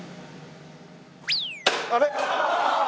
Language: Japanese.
あれ！